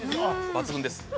◆抜群です。